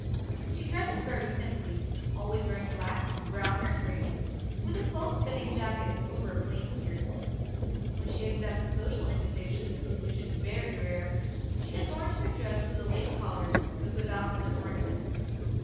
She dresses very simply, always wearing black, brown, or gray, with a close fitting jacket over a plain skirt. When she accepts a social invitation, which is very rare, she adorns her dress with a lace collar, but without other ornament.